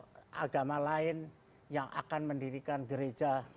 ada agama lain yang akan mendirikan gereja